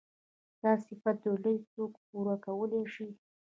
ستا صفت د لويي څوک پوره کولی شي.